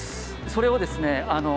それをですね